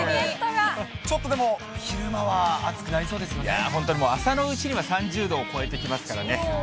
ちょっとでも、昼間は暑くないやー、本当に朝のうちには３０度を超えてきますからね。